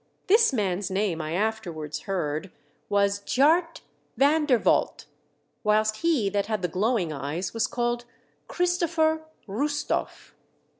This man's name, I afterwards heard, was Tjaart Van der Valdt, whilst he that had the glowing eyes was called Christopher Roostoff.